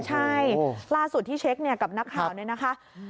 ใช่ล่าสุดที่เช็คกับนักข่าวเนี่ยนะคะ